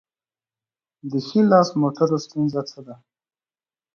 د ښي لاس موټرو ستونزه څه ده؟